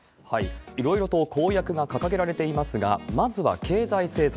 いろいろと公約が掲げられていますが、まずは経済政策。